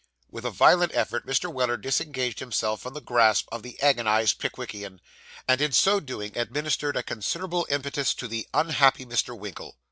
With a violent effort, Mr. Weller disengaged himself from the grasp of the agonised Pickwickian, and, in so doing, administered a considerable impetus to the unhappy Mr. Winkle.